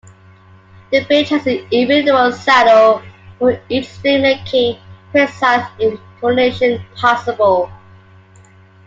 The bridge has an individual saddle for each string making precise intonation possible.